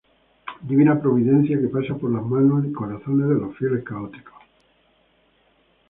Divina Providencia que pasa por las manos y corazones de los fieles católicos.